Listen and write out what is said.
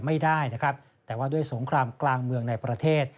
ไม่ได้นะครับแต่ว่าด้วยสงครามกลางเมืองในประเทศ